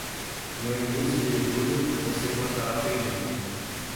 No início de julho, você plantará feijão.